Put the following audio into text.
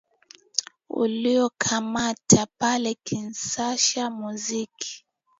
tuliokamata pale kinshasa muziki